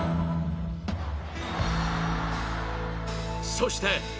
そして